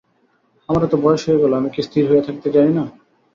আমার এত বয়স হইয়া গেল, আমি কি স্থির হইয়া থাকিতে জানি না?